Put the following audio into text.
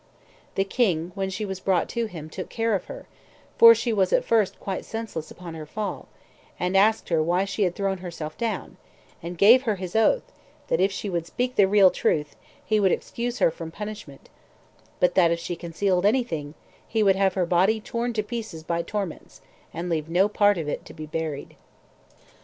The king, when she was brought to him, took care of her, [for she was at first quite senseless upon her fall,] and asked her why she had thrown herself down; and gave her his oath, that if she would speak the real truth, he would excuse her from punishment; but that if she concealed any thing, he would have her body torn to pieces by torments, and leave no part of it to be buried.